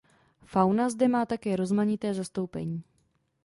Fauna zde má také rozmanité zastoupení.